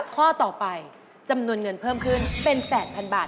ข้อต่อไปจำนวนเงินเพิ่มขึ้นเป็น๘๐๐๐บาท